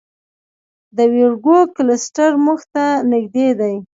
د ویرګو کلسټر موږ ته نږدې دی.